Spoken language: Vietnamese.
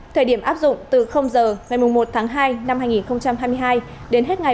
thời điểm áp dụng từ h ngày một hai hai nghìn hai mươi hai đến hết ngày ba mươi một một mươi hai hai nghìn hai mươi hai